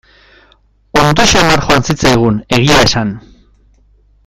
Ondo samar joan zitzaigun, egia esan.